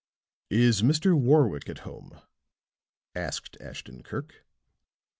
"Is Mr. Warwick at home?" asked Ashton Kirk.